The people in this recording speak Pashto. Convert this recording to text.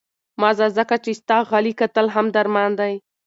مه ځه، ځکه چې ستا غلي کتل هم درمان دی.